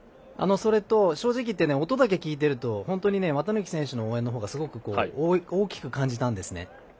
正直、音だけ聞いてると本当に綿貫選手の応援のほうが大きく感じたんですね。